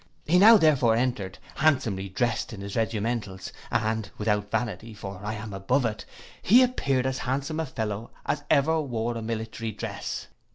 He now therefore entered, handsomely drest in his regimentals, and, without vanity, (for I am above it) he appeared as handsome a fellow as ever wore a military dress.